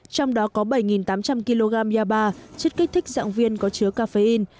trong đó có bảy tám trăm linh kg yaba chất kích thích dạng viên có chứa caffeine